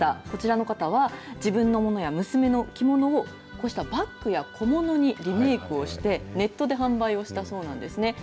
こちらの方は、自分のものや娘の着物を、こうしたバッグや小物にリメークをして、ネットで販売をしたそうなんですね。